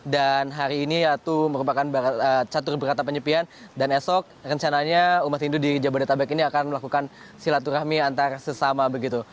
hari ini yaitu merupakan catur berata penyepian dan esok rencananya umat hindu di jabodetabek ini akan melakukan silaturahmi antar sesama begitu